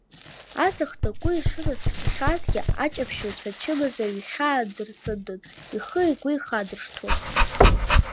Аҵх такәы ишынаскьахьазгьы, аҷаԥшьаҩцәа ачымазаҩ ихьаа дырсындон, ихи-игәи ихадыршҭуан.